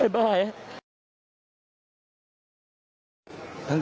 บ๊ายบาย